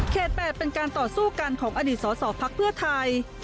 เขตแปดเป็นการต่อสู้กันของอดีตสอสอภักดิ์เพื่อไทย